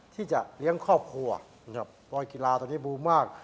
ที่จะเลี้ยงครอบครัวนะครับปลอยกีฬาตอนนี้บูมมาก